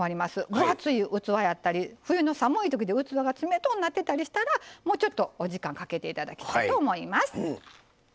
分厚い器やったり冬の寒いときって器が冷とうなっていたりしたらもうちょっとお時間をかけていただきたいと思います。